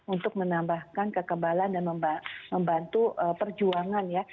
untuk menambahkan kekebalan dan membantu perjuangan ya